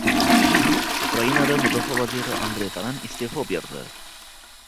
Ukrainada Mudofaa vaziri Andrey Taran iste’fo berdi